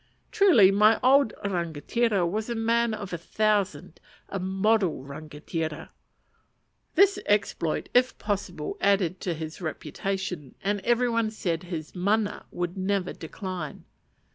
Truly my old rangatira was a man of a thousand, a model rangatira. This exploit, if possible, added to his reputation, and every one said his mana would never decline.